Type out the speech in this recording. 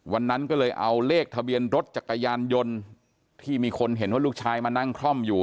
วันนั้นก็เลยเอาเลขทะเบียนรถจักรยานยนต์ที่มีคนเห็นว่าลูกชายมานั่งคล่อมอยู่